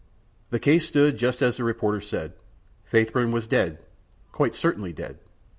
The case stood just as the reporter said. Faithburn was dead, quite certainly dead!